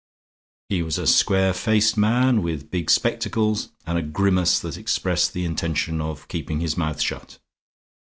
He was a square faced man with big spectacles and a grimace that expressed the intention of keeping his mouth shut.